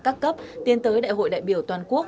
các cấp tiến tới đại hội đại biểu toàn quốc